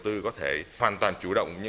chủ đầu tư có thể hoàn toàn chủ động